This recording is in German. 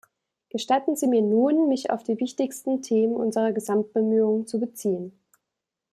Gestatten Sie mir nun, mich auf die wichtigsten Themen unserer Gesamtbemühungen zu beziehen.